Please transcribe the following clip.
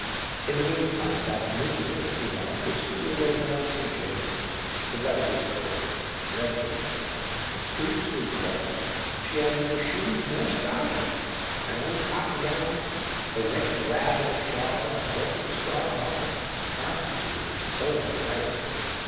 In the meantime that miserable female pursued her way down St. James's Street. The weather was cold—dreadfully cold: the streets were damp—and she had neither shoes nor stockings! An old cotton gown, a wretched rag of a shawl, and a broken straw bonnet, constituted her sole attire.